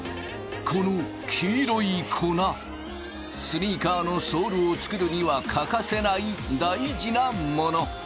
スニーカーのソールを作るには欠かせない大事なもの。